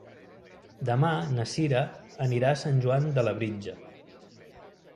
Demà na Cira anirà a Sant Joan de Labritja.